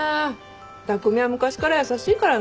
匠は昔から優しいからね。